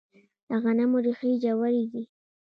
د غنمو ریښې ژورې ځي.